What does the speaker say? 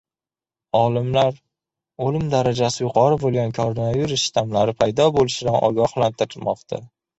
Olimlar o‘lim darajasi yuqori bo‘lgan koronavirus shtammlari paydo bo‘lishidan ogohlantirmoqda